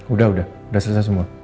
udah udah udah selesai semua